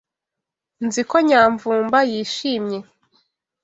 Nzi ko Nyamvumba yishimye.